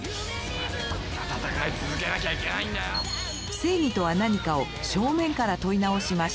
正義とは何かを正面から問い直しました。